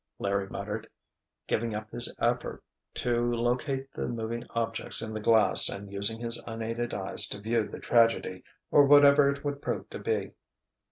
Larry muttered, giving up his effort to locate the moving objects in the glass and using his unaided eyes to view the tragedy—or whatever it would prove to be.